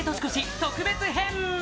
特別編。